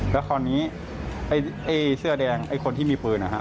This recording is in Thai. แล้วคราวนี้เสื้อแดงคนที่มีปืน